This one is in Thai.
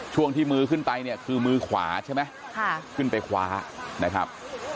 ช่วงที่มือขึ้นไปเนี่ยคือมือขวาใช่ไหมขึ้นไปคว้านะครับ